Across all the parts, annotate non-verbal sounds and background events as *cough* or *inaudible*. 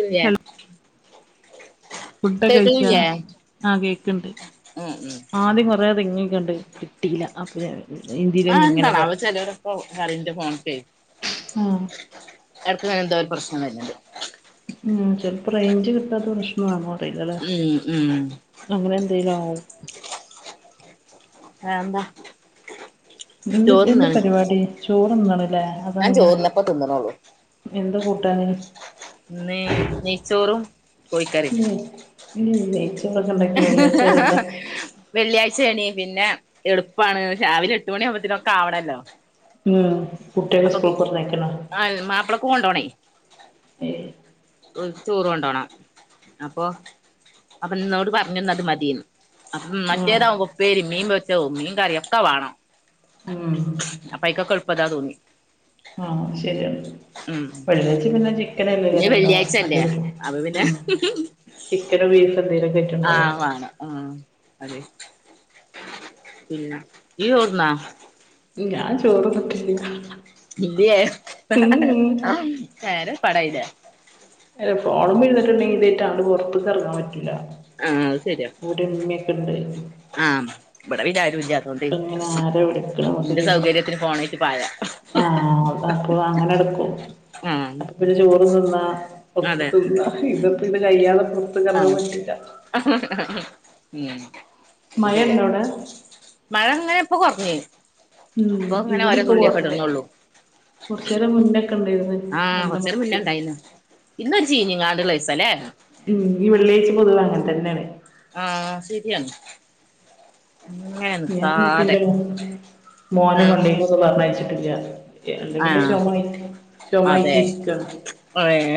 ഇല്ലേയ ഫുഡൊകെ കഴിച്ചാ ആഹ് കേക്ക്ണ്ട് ഉം ഉം ആദ്യം കൊറ റിംഗി കണ്ട് കിട്ടിയില്ല അപ്പൊ ഇന്തിയില് ആ ന്നെ ഇങ്ങനെ എന്താണാവോ പറഞു ചിലരൊക്കെ കറിന്റെ ഫോണൊക്കെ ആ എടക്ക് ഇതിനെന്താ ഒരു പ്രശ്നം വരൻണ്ട് ഉം ചെലപ്പോ റേഞ്ച് കിട്ടാത്ത പ്രശ്നമാണോ അറിയില്ലലേ ഉം ഉം അങ്ങനെ എന്തേലും ആവും വേറ എന്താ എന്ത് എന്ത് ചോറ്ന്നാണ് പരിവാടി ചോറ്ന്നാണ്ലേ ഞാൻ അതാണ് ഇങ്ങനെ ചോറിന്നപ്പ തിന്നണള്ളൂ എന്താ കൂട്ടാന് ന്ന് നെയ്ച്ചോറും കോയിക്കറിം.. മ്മ് നെയ്‌ച്ചൊറൊക്കെണ്ടാക്കി വെള്ളിയായ്ച ആയതോണ്ട.. വെള്ളിയാഴ്ചയണി പിന്നെ എളുപ്പാണ് രാവിലെ എട്ട് മണിയാമ്പത്തിന് ഒക്കെ ആവണല്ലോ.. ഉം കുട്ട്യേളെ സ്കൂൾക്ക് പർണയക്കണോ അൽ മാപ്ളക്ക് കൊണ്ടോവണേ ഏഹ് ഓൽക്ക് ചോറ് കൊണ്ടോവണം അപ്പോ അപ്പന്നോട് പർഞ്ഞുന്നത് മതീന്ന് അപ്പം ആഹ് മറ്റേതാവുബൊ ഉപ്പേരി മീൻ പൊര്ച്ചോ മീൻ കറി ഒക്കെ വാണം ഉം അപ്പോ അയിക്കൊക്കെ എളുപ്പതാ തോന്നി ആഹ് ശെരിയാണ് ഉം വെള്ളിയാച്ച പിന്നെ ചിക്കനല്ല പിന്നെ വരണ്ടാ വെള്ളിയാഴ്ച അല്ലേ *unintelligible* മ് അപ്പൊ പിന്നെ ചിക്കനും. *unintelligible* ആണ് ആ അതെ.. ഇല്ല ഈ ചോറ്ന്നാ.. ഉം ഞാൻ ചോറ്ന്ന്ട്ടില്ല്യ.. *unintelligible* അല്ല ഫോണുമ്മേ ഇര്ന്നിട്ട്ണ്ടെങ്കി ഇതെറ്റാണ്ട് പൊറത്ക്ക് എറങ്ങാൻ പറ്റൂല.. ആഹ് അത് ശരിയ.. *unintelligible* ആഹ് ഇവിടെ പിന്നെ ആരുല്ല്യത്തോണ്ടെ അപ്പൊ ഇങ്ങനെ ആരാ വിളിക്കണ എന്നൊക്കെ ന്റെ ചോദിക്കും സൗകര്യത്തിന് ഫോണേറ്റ് പായ.. ആഹ് അപ്പൊ അങ്ങനടുക്കു. ആഹ്.. ചോറ് തിന്നാ പൊക്ക് അതെ തിന്ന ഇതപ്പ ഇത് കയ്യാതെ പൊറത്ക് എറങ്ങാൻ പറ്റുല്ല ഹ്ഹ ഹ്ഹ്ഹ് മ് അത് മഴ ശരിയാ... ഉണ്ടോ അവിടെ മഴങ്ങനെ ഇപ്പൊ കൊറഞ്ഞ് ഉം പ്പൊ ഇങ്ങനെ ഇവിടെ ഓരോ ഇപ്പൊ തുള്ളിയൊക്കെ കുറഞ്ഞ് ഇടണൊള്ളൂ.. കുറച്ചു നേരം മുന്നൊക്കെ ഉണ്ടായിരുന്നു ആഹ് നല്ല മഴ കൊറച്ചരു ഉണ്ടായിരുന്നു മുന്നേണ്ടായിന്ന്.. ഇന്നൊരു ചീഞ്ഞിങ്ങാണ്ട്ള്ളീസം ലേ.. മ്മ് ഈ വെള്ള്യാഴ്ച പൊതുവെ അങ്ങൻ തന്നെണ്.. ആഹ് ശെരിയാന്ന്. *unintelligible* ഞാന്ന്ട്ടന്റെ മോനെ മോനെ ആഹ് പള്ളികൊന്നും പറഞയച്ചിട്ടില്ല. എന്തെങ്കിന്റെ ആഹ് ചൊമയിക് ചൊമായിട്ടിരിക്കാ.. ഓയേ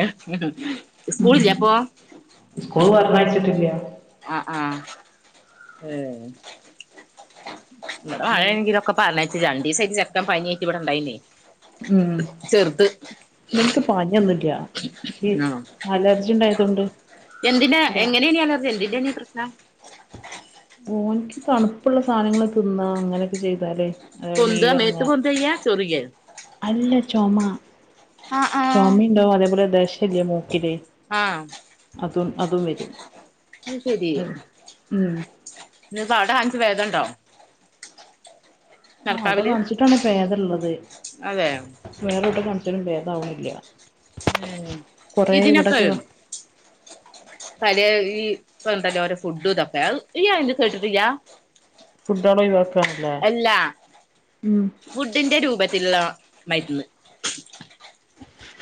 സ്കൂളില്ല്യേപ്പൊ.. സ്കൂള് വർനയിച്ചിട്ടില്ല്യ.. ആഹ് ആഹ് ഏ. ഹ്.. ഇബടെ മഴ എങ്കിലുക്കെ പറഞ്ഞച് രണ്ടീസൈട്ട് ചെക്കൻ പനിയിട്ട് ഇവിടെണ്ടായിന്നേ.. ഉം ഇവന്ക് പനിയൊന്നുല്ല്യ.. ഷി ആഹ് അലർജിണ്ടായതൊണ്ട്.. എന്തിനാ എങ്ങനേണീ അലർജി എന്തിന്റെണ് ഇ പ്രശ്നം.. ഓന്ക് തണുപ്പുള്ള സാനങ്ങള് തിന്നാ അങ്ങനെക്കെ ചെയ്താലേ.. അതായത് പൊന്ത മേത്ത് നീരിറങ്ങാ പൊന്തയിഞ്ഞാ ചോറിയെ.. അല്ല ചൊമ ആഹ് ആഹ് ചൊമേണ്ടാവു അതേപോലെ ദശല്യെമൂ.. ഇതെ ആഹ് അതും അതും വരും.. അത് ശരി ഉം നിപ്പ അവിടെ ഹാൻച്‌ വേദണ്ടോ.. ആ അവിടെ നടക്കാവില് കാണിച്ചിട്ടാണ് ഭേദള്ളത് അതെ വേറെവുടെ കാണിച്ചാലും ഭേദാവുണില്ല്യ.. ഉം. ഇതിനൊക്കെ.. പലേ ഈ പ്പൊണ്ടല്ലോ ഓരോ ഫുഡു തൊക്കെ. *unintelligible* ഫുഡോളൊയിവാക് അല്ലാ ഫുഡിന്റെ രൂപത്തില്ള്ള മര്ന്ന്..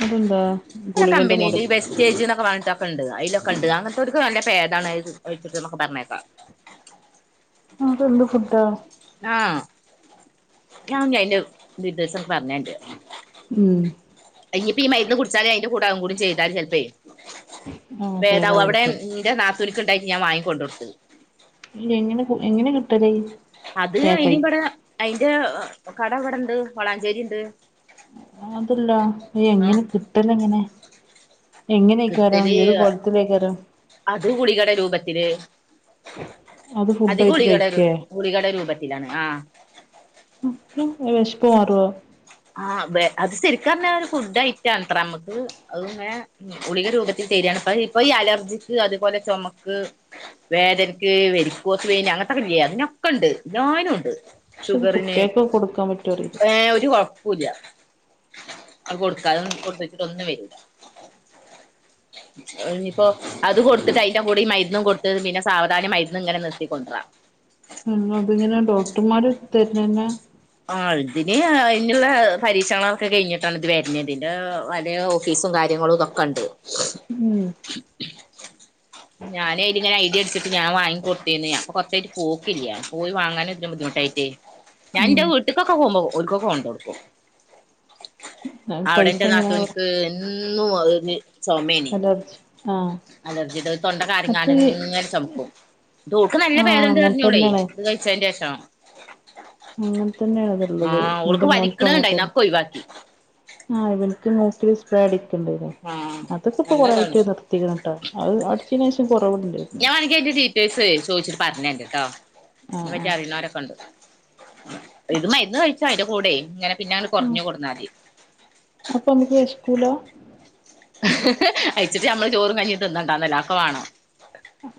അഹെന്താ. *unintelligible* കംമ്പിനിടെ ബേസ്.. ചേച് ന്നൊക്കെ വാങ്ങിച്ചാക്കെണ്ട് അതിലൊക്കെണ്ട് അങ്ങൻതൊര്ക് നല്ല പേദാണ് ത് ഒഴിച്ചിട്ട്ന്നൊക്കെ പർണേക്കാ.. അതെന്ത് ഫുഡാ ആഹ്.. ഞാ ഞ്ഞയിന്റെ ഡീറ്റെയിൽസ് പറഞ്ഞറണ്ട്. മ്മ്ഹ്.. അയിഞ്ഞിപ്പി ഈ മരുന്ന് കുടിചാലെ അയിന്റെ കൂടെഅഹും കൂടി ചെയ്താൽ ചെലപ്പേ.. ആഹ് പേതാ പേദാവു അവിടേം വിളിക്കല് ന്റെ നാത്തുൻക് ണ്ടായിട്ട് ഞാൻ വാങ്ങകൊണ്ടോട്ത്ത്.. എങ്ങനെ എങ്ങനെകിട്ടല്.. അത് അയിനിവിടെ അയിന്റെ കട ഇവിടെണ്ട് വളാഞ്ചേരിണ്ട്. അതല്ല എങ്ങനെ കിട്ടല് എങ്ങനെ. എങ്ങനെകാരം കിട്ടല് ഏതു കോലത്തിലേക്കാരം. അത് ഗുളികടെ രൂപത്തില് അത് ഫുഡ്‌ ആയിട്ട് കൈക്കെ. ഗുളികടെ രൂപത്തിലാണ് ആ പു പു വെശപ്പ് മാറോ. ആ അതെ അത് സെരിക് പറഞ്ഞാ ഒരു ഫുഡ് ഐറ്റത്ര നമ്മക് അതിങ്ങനെ ഗളിക രൂപത്തിൽ തെരണ് അപ്പ ഇപ്പൊ ഈ അലർജിക്ക് അതുപോലെ ചുമക്ക് വേദനക്ക് വെരിക്കോസ് വെയിന് അങ്ങനത്തെഇ യെ അതിനൊക്കെ ഉണ്ട് എല്ലായിനു ഉണ്ട് പക്ഷെ അത് ഷുഗറിന് കുട്ടികൾക്ക് കൊടുക്കാൻ പറ്റോ അറിയില്ല ഏ ഒരു കോയ ല്യ കൊടുതാലും കൊടുട്ടേച്ചിട്ടും ഒന്നും വരില്ല *inaudible* ഇനിപ്പം അതും കൊടുത്തു അയിന്റെ കൂടെ മരുന്നും കൊടുത്തു പിന്നെ സാവധാനം മരുന്ന് നിർത്തിക്കൊണ്ടര നിങ്ങൾക്ക് ഇങ്ങനെ ഡോക്ടർമാർ തര് നെന്നെ ആ ഇതിനെ അയിന്റത് പരീക്ഷണം കഴിഞ്ഞിട്ടാണ് ഇത് വരുണത് പലേ ഓഫീസും കാര്യങ്ങളും ദൊ. കണ്ടു അ മ്മ് ഞാൻ അയിനി ഐഡി അടിച്ചിട്ട് ഞാൻ വാങ്ങി കൊടുത്തിനീ അപ്പോ കുറച്ചായിട്ട് പോക്കില്ല പോയി വാങ്ങാൻ ആണ് ബുദ്ധിമുട്ട് ട്ടേ ഞാൻ ഉം ന്റെ വീട്ടിക്ക് പോകുമ്പോ ഓൽക്കൊക്കെ കൊണ്ട് കൊടുക്കും അവിടെ പൈസ എന്റെ എങ്ങനെയാവോ നാത്തൂന്ക് എന്നും അലർജി ചോമേനി അലർജി ആഹ് അലർജിത തൊണ്ട അപ്പൊ കാര്യങ്ങാണ്ട് ഈ ഇങ്ങനെ ചുമക്കും ഓൾക് നല്ല ആഹ് പേദണ്ട് അങ്ങനെ പറഞ്ഞോളേ. തന്നെയാണ് ഉച്ചന്റെ ശേഷം അങ്ങനെ തന്നെള്ളത് ആഹ് എന്റെ ഓൾക്ക് മോനക്കും അങ്ങനെ വലിക്കണണ്ടായിന് തന്നെ അതൊക്കെ ഒഴിവാക്കി ആ ഇവനക്ക് മൂക്കില് സ്പ്രേടിക്കണ്ടല്ലേ ആഹ് അതൊക്കെ ഇപ്പൊ കൊറേ നല്ലതാണ് ആയിട്ട് നിർത്തി എത്തിക്കട്ടാ അത് അടിച്ചിനേശം കുറവുണ്ടായി എ എന്റെ ഡീറ്റെയിൽസ് ചോദിച്ചിട്ട് പറഞ്ഞു തരണ്ട് ട്ടോ ആഹ് ആഹ് ആയിനെപ്പറ്റിറിനോരെക്കേണ്ട ഇത് മരുന്ന് കഴിച്ച അയിന്റെ കൂടെ ഇങ്ങനെ പിന്നെ അങ്ങനെ കുറഞ്ഞു കൊടുന്നാൽ മതി അപ്പോ അമ്മക്ക് വെശക്കൂല *unintelligible* അയച്ചിട്ട് നമ്മള് ചോറും കഞ്ഞി തിന്നണ്ടാന്നല്ല അതൊക്കെ വേണം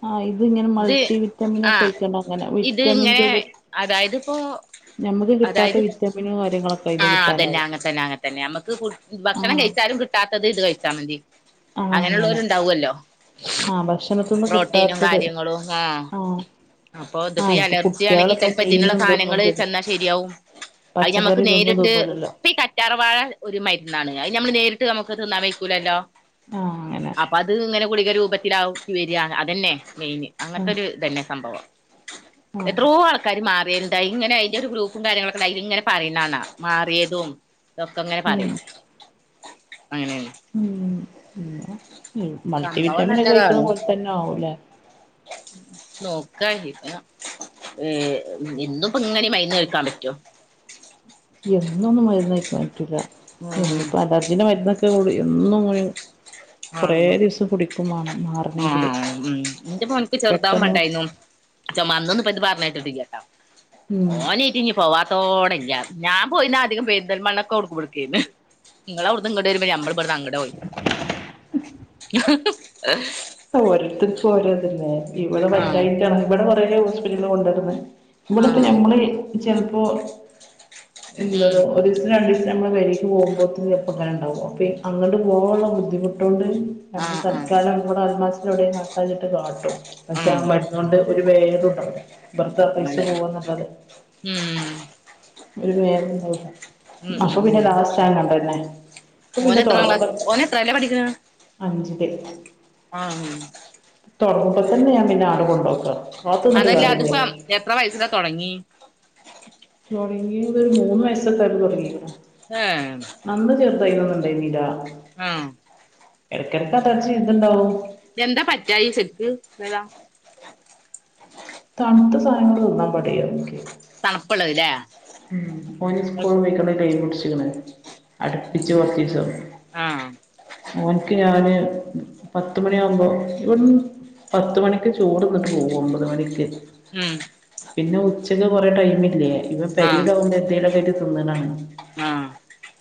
ആഹ ഇത് ഇങ്ങനെ ഇത് മൾട്ടി വിറ്റമിൻ ഒക്കെ കഴിക്കണ്ട അങ്ങനെ വിറ്റമിൻ ട്യൂബ് അതായത്പ്പോൊ കിട്ടാത്ത അതായത് വിറ്റാമിനും കാര്യങ്ങളൊക്കെ ആ അയിന്ന് അതന്നെ കിട്ടാനാവും അങ്ങെത്തന്നെ അങ്ങത്തന്നെ നമുക്ക് ഭക്ഷണം ആഹ് കഴിച്ച എന്നാലുംകിട്ടാത്തത് ഇത് കഴിച്ചാ മതി ആഹ് അങ്ങനെ അങ്ങനെയുള്ളവരുണ്ടാവല്ലോ ആഹ് ഭക്ഷണത്തിന്ന് പ്രോട്ടീനും കിട്ടാത്തത് കാര്യങ്ങളും ആ ആഹ് അപ്പൊ അതൊപ്പോ ഈ ആഹ് ഇപ്പൊ അലർജി ആണെങ്കിൽ കുട്ട്യാളിപ്പൊ ചിലപ്പോ ഇതിനുള്ള മീനും സധനങ്ങൾ ഇതൊന്നും തിന്ന് ചെന്നാൽ ശരിയാവും അത് നമ്മക്ക് പച്ചക്കറി ഇതൊന്നും നേരിട്ട് തിന്നൂലല്ലോ തറവാഴ ഒരു മരുന്നാണ് അത് നമ്മൾ നേരിട്ട് നമുക്ക് തിന്നാൻ വക്കൂലല്ലോ ആഹ് അങ്ങനെ അത് ഇങ്ങനെ ഗുളിക രൂപത്തിലാവും വരാ അതന്നെ മെയിന് അങ്ങനത്തെ ആഹ് ഒരു ഇതന്നെ സംഭവം. ആഹ് എത്രയോ ആൾക്കാാര് മാറിയാല. ഇങ്ങനെ അതിന്റെ ഒരു ഗ്രൂപ്പും കാര്യങ്ങളൊക്കെ ഇങ്ങനെ പറയുന്നതണാ മാറിയതും ഇതൊക്കെ അങ്ങനെ ഉം പറയും. അങ്ങനെയാണ് ഉം മൾട്ടി സംഭവം വിറ്റാമിൻ ഒക്കെ കഴിക്കണ നല്ലതാണ് പോലെ തന്നെ ആവുംല്ലേ *unintelligible* നോക്ക ഏ എന്നും ഇപ്പോ ഇങ്ങനെ മൈന്ന് കേൾക്കാൻ പറ്റോ എന്നൊന്നും മരുന്നഴിക്കാൻ പറ്റൂല്ല ഉം എന്നിപ്പോ അലർജിന്റെ മരുന്നൊക്കെ ഗുളി എന്നുങ്ങനെ കുറെ ആഹ് ദിവസം പിടിക്കും വേണം മാറണങ്കില് ആഹ് എന്റെ മോനക്ക് ചെറുതാവുമ്പോ ണ്ടായിരുന്നു *unintelligible* കേട്ടിട്ടില്ല ഉം ഓന് ഇനിയും പോവാത്തോടില്ല ഞാൻ പോയിനും അധികം പെരിന്തൽമണ്ണക്ക് *unintelligible* നിങ്ങളവിടുന്നിങ്ങട് വരുമ്പോൾ ഞമ്മളിവുടുന്നങ്ങട് പോയി. ഉം *inaudible* ഓരോത്തർക്കും ഓരോതല്ലേ ഇവിടെ ആഹ് വറ്റായിട്ടാണ് ഇവിടെ *unintelligible* ഹോസ്പിറ്റലിൽ കൊണ്ടുനടന്ന് ഇവിടെ ഇപ്പ ആഹ് ഞങ്ങള് ചിലപ്പോ ഉം എന്താണ് ഒരു രണ്ട് ദിവസം നമ്മള് പെരേലേക്ക് *unintelligible* ഉണ്ടാവും അപ്പ അങ്ങോട്ടുപോവാനുള്ള ബുദ്ധിമുട്ടുകൊണ്ട് നമ്മൾ ആഹ് ആഹ് തൽക്കാലം *unintelligible* കട്ടാഞ്ഞിട്ട് കാട്ടും പക്ഷെ ആ ആഹ് മടി അതുകൊണ്ട് ഒരു പ്രയോജനവുണ്ടാവുല വെറുതെ അല്ലെ പൈസപോവന്നുള്ളത് ഉം ഒരു *unintelligible* ഉണ്ടാവുലാഅപ്പൊ പിന്നെ ലാസ്റ്റ *unintelligible* ഓനെത്രാം ക്ലാസ് ഓനെത്രയിലാ പഠിക്കുന്ന അഞ്ചില് ആഹ് തുടങ്ങുപ്പതന്നെ ഞാൻ പിന്നെ അങ്ങട് കൊണ്ട വിട്ട അതല്ല അതിപ്പം എത്ര വയസില തുടങ്ങി തുടങ്ങിത് ഒരുമൂന്ന് വയസ്സൊക്കെയായപ്പോ തുടങ്ങിതാ ആഹ് നമ്മള് ചെറുതായിന്നുണ്ടായിരിന്നില്ല ആഹ് ഇടക്കിടക്ക അലർജിതുണ്ടാവും എന്താ പറ്റായി ശരിക്ക് വിള തണുത്ത സാധനങ്ങൾ തിന്നാ പടില്ല അവനക്ക് തണുപ്പുള്ളത‌ല്ലേ ഉം ഓന് സ്കൂളിൽ പോയിക്കണ്ട ടൈമ് പിടിച്ചക്കണ് ഉം അടുപ്പിച്ചു കൊറച്ചുസം ആഹ് ഓൻക്ക് ഞാന് പത്തുമണിയാവുമ്പോ ഇവിട പത്ത് മണിക്ക് ചോറ് തിന്നിട്ട് പോകു ഒമ്പത് മണിക്ക് ഉം പിന്നെ ഉച്ചക്ക് കൊറെേ ടൈമില്ലേ ഇവൻ ആഹ് *unintelligible* തിന്നതാണ് ആഹ്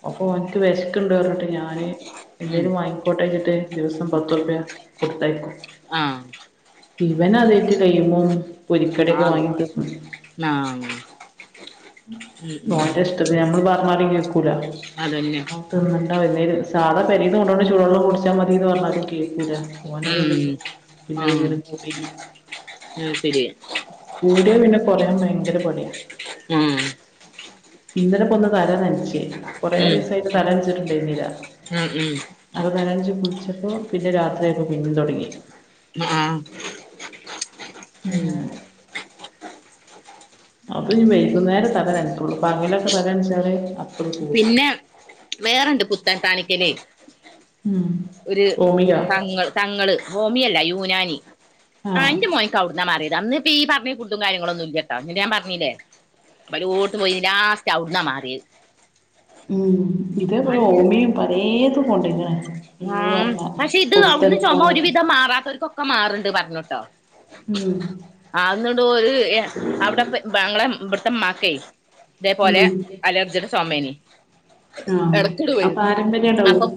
അപ്പൊ ഓൻ ക്ക് വിശക്കണ്ട് പറഞ്ഞിട്ട് ഞാ ന് ഉം എന്തേലും വാങ്ങിക്കോട്ടച്ചിട്ട് ദിവസം പത്ത് റുപ്പിയ കൊടുത്തയക്കും ആഹ് ഇവൻ അറയതിലിപൊ പൊരികടിയൊക്കെ വാങ്ങി അള്ളാ തിന്നു ആഹ് ഉം ഉം ഓന്റെഷ്ടത്തിന് ഞമ്മള് പറഞ്ഞാലും കേക്കൂല അതന്നെ തിന്നട്ട *unintelligible* സാധാ പെരേന്ന്കൊണ്ടുപോണ ചൂടു വെള്ളം കുടിച്ചാ മതിന്ന് പറഞ്ഞാല കേ ന്റാ ഓനത് ഉം ആഹ് പിന്നതങ്ങനെ കൂടി അത് ശരി കൂടിയാ പിന്നെ കുറയാൻ ഭങ്കര പണിയാ ഉം ഇന്നലപ്പൊന്ന് തലനച്ച് കൊറെേ ഉം ദിവസായിട്ട് തലനച്ചിട്ടുണ്ടാരുന്നില്ല ഉം ഉം അപ്പൊ തലനച്ച് കുളിച്ചപ്പോ പിന്നെ രാത്രിയയപ്പം പിന്നെ തുടങ്ങി ആഹ് ഉം *unintelligible* അതഇന് വൈകുന്നേരംതല നനക്കോളു പകലൊക്കെ തല നനച്ചാല് പോകും പിന്നെ വേറൊണ്ട് പുത്തൻ കാണിക്കല് ഉം ഒരു ഓമിയാ തങ്ങൾ തങ്ങള് ഹോമിയോ അല്ല യൂനാനി ആഹ് അന്റെമോൻക്ക് അവിടുന്നാ മാറിയത് അന്ന് ഈ പറഞ്ഞ ഫുഡും കാര്യങ്ങളൊന്നും ഇല്ലട്ടോ അന്ന് ഞാൻ പറഞ്ഞില്ലേ പല ടോത്പോയി ലാസ്റ്റ് അവ്ട്ന്ന മാറിയത് ഉം ഇതേപലെ നല്ല ഓമിയും പലെ തു കൊണ്ട് ഇങ്ങനെ *unintelligible* ആഹ *unintelligible* പക്ഷെ ഇത് അവിടുന്ന് ചുമ ഒരുവിധം മാറാത്തവർക്കൊക്കെ മാറ്ണ്ട് പറഞ്ഞോട്ടോ ഉം ആഹാ ഇന്നട്ടോര് എഹേ അവ്ടെപ്പെ അങ്ങളെ ഇബട്ത്തെ ഇമ്മാക്കെ ഇതെപോലെ ഉം അലർജിടെ ചൊമേനി ആഹ് എടക്കെട് ആ വെരും പാരമ്പര്യണ്ടാവും അപ്പം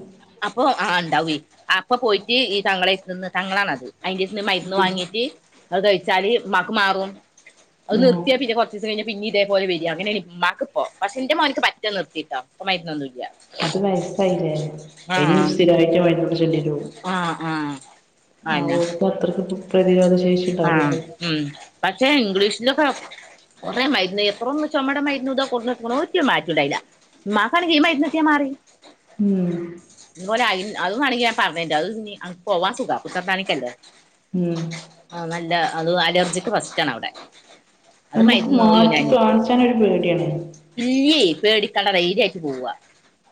അപ്പൊ ആ ഇണ്ടാവെ അപ്പൊ പോയിട്ട് ഈ തങ്ങളെര്ത്ത്ന്ന് തങ്ങളാണത് അയിന്റെട്ത്ത്ന്ന് മെര്ന്ന് ഉം വാങ്ങീട്ട് അത് കഴിച്ചാല് ഇമ്മാക്ക് മാറും അത് ആഹ് നിർത്തിയാ പിന്നെ കൊ കൊർച്ചീസം കഴിഞ്ഞാ പിന്നിം ഇതേപോലെ വെരാ അങ്ങനേണ് ഇമ്മാക്ക്പ്പം പക്ഷെ ഇന്റെ മോന്ക്ക് പറ്റെ നിർത്തിട്ടൊ ഇപ്പം മര്ന്നൊന്നുല്ല്യ. അത് വയസ്സായില്ലേ അയിന് സ്ഥിരായിട്ട് മരുന്ന്ടിച ആഹ് ആഹ് *unintelligible* ആഹാ അന്നെ ഓൽക്കത്രക്ക് പ്രതിരോധ ശേ ആഹ് ഉം പക്ഷെ ഇംഗ്ലീഷിലൊക്കെ കൊറേ മര്ന്ന് എത്രൊന്ന് ചൊമേടെ മരുന്നുതാ കൊട്ന്നൊട്ക്ക്ണെ ഒരു മാറ്റുണ്ടായില ഇമ്മാക്കാണെങ്കി ഈ മെര്ന്ന്ട്ടിയാ മാറി ഉംഹ് ഇതുപോലെ അയിന് അതും മാണെങ്കി ഞാൻ പറഞെരണ്ട് അത്ഞ്ഞ് അൻക്ക് പോവാൻ സുഖാ പുത്തനത്താണിക്കല്ലേ? ഉംഹ് ആഹ് നല്ലാ അതും അല്ലർജിക്ക് ഫസ്റ്റാണവ്ടെ ഞമ്മക്ക് മാറ്റി കാണ്ച്ചാനൊരു പേടിയാണ് ഇല്ല്യാ പേടിക്കണ്ട ധൈര്യയിട്ട് പോവാ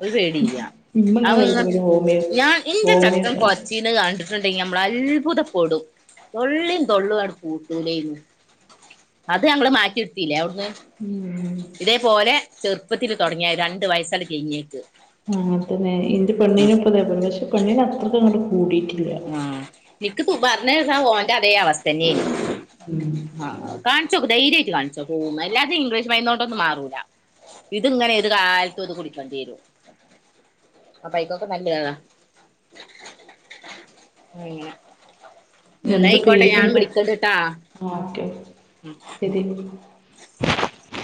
ഒരു പേടിയ്യാ ഇമ്മ ഇങ്ങനെ വെറുതെ അതൊന്നും പറയും ഹോമിയോ ഞാൻ ഇന്റെ ഹോമിയോ ചെക്കം കാണിച്ച് കൊര്ച്ചീന്നെ കണ്ടി ണ്ടെങ്കിൽ നമ്മള അത്ഭുതപ്പെടും തൊള്ളി തൊള്ളുവാണ്ട് പൂട്ടൂലേനി അത് ഞങ്ങള് മാറ്റിട്ത്തീലേ ഔ ഏഹ് ഉം ഇതേപോലെ ചെറുപ്പത്തില് തുടങ്ങിയ രണ്ട് വയസ്സാണ്ട് കെഴിഞ്ഞേയ്ക്ക് ആഹ് അങ്ങൻത്തന്നെ ഇന്റെ പെണ്ണിനിപ്പതേപോലെ പക്ഷെ പെണിനത്രക്ക്ങ്ങെട്ട് കൂടിയിട്ടില്ല ആഹ് ഇക്ക് പൂ പറഞ്ഞേതാ ഓന്റതെ അവസ്ഥന്നെനീ *inaudible* ആഹ് കാണിച്ചോക്ക് ധൈര്യായിട്ട് കാണിച്ചോക്ക്. പോവും അല്ലാതെ ഇംഗ്ലീഷ് മരുന്നോണ്ട് ഒന്നും മാറൂല. ഇത്ങ്ങനെ ഏത് കാലത്തു അത് കുടിക്കണ്ടിയെരും അപ്പയ്ക്കൊക്കെ നല്ലെ അതാ അങ്ങനെ എന്താ ഇന്നായ്കോട്ടെ ഞാൻ പേരെന്താ വിളികണ്ട്ട്ടോ? ഇതി *unintelligible*